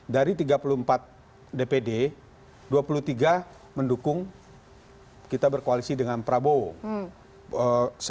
dari tiga puluh empat dpd dua puluh tiga mendukung kita berkoalisi dengan prabowo